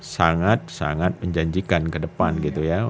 sangat sangat menjanjikan ke depan gitu ya